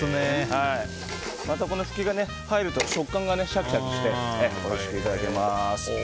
またこのフキが入ると食感がシャキシャキしておいしくいただけます。